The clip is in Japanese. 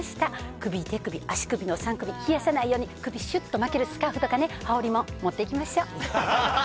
首、手首、足首の３首、冷やさないように、首、しゅっと巻けるスカーフとかね、羽織りもん、持っていきましょ。